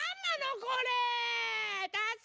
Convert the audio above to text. これ。